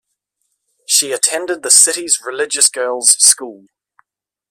She attended the city's religious girls' school.